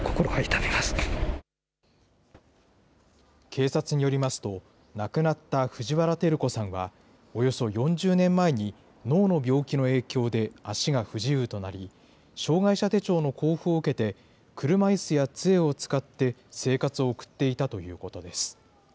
警察によりますと、亡くなった藤原照子さんは、およそ４０年前に脳の病気の影響で足が不自由となり、障害者手帳の交付を受けて、車いすやつえを使って、生活を送っていたということです。